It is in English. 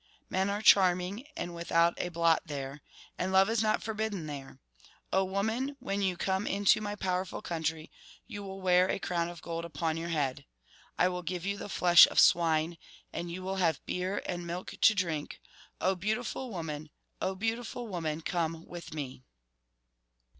Men are 85 charming and without a blot there, and love is not forbidden there. O woman, when you come into my powerful country you will wear a crown of gold upon your head. I will give you the flesh of swine, and you will have beer and milk to drink, O beautiful woman. O beau tiful woman, come with me